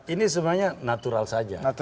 ini semuanya natural saja